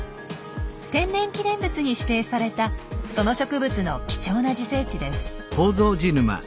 天然記念物に指定されたその植物の貴重な自生地です。